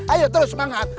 ayo terus semangat